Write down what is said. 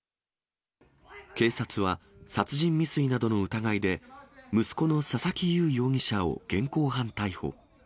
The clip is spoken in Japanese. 警察は、殺人未遂などの疑いで、息子の佐々木祐容疑者を現行犯逮捕。